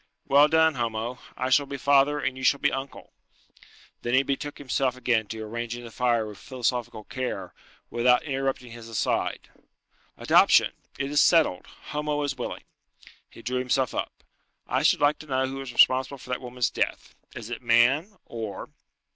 "Well done, Homo. I shall be father, and you shall be uncle." Then he betook himself again to arranging the fire with philosophical care, without interrupting his aside. "Adoption! It is settled; Homo is willing." He drew himself up. "I should like to know who is responsible for that woman's death? Is it man? or...."